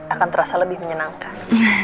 akan terasa lebih menyenangkan